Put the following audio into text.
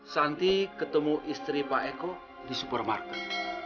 santi ketemu istri pak eko di supermarket